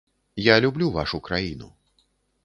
Я люблю вашу краіну.